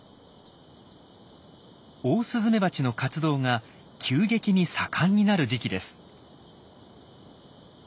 オオスズメバチの活動が急激に盛んになる時期です。